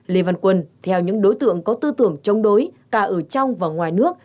lê văn quân theo những đối tượng có tư tưởng chống đối cả ở trong và ngoài nước